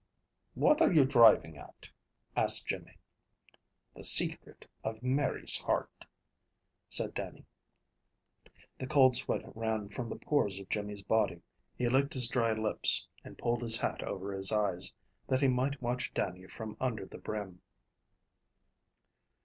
"What are you driving at?" asked Jimmy. "The secret of Mary's heart," said Dannie. The cold sweat ran from the pores of Jimmy's body. He licked his dry lips, and pulled his hat over his eyes, that he might watch Dannie from under the brim.